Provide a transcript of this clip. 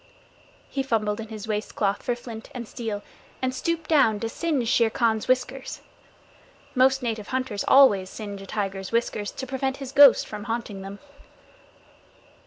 He fumbled in his waist cloth for flint and steel, and stooped down to singe Shere Khan's whiskers. Most native hunters always singe a tiger's whiskers to prevent his ghost from haunting them.